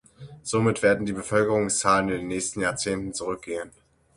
Somit werden die Bevölkerungszahlen in den nächsten Jahrzehnten zurückgehen.